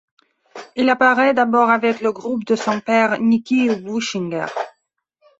Elle apparaît d'abord avec le groupe de son père, Niki Wuchinger.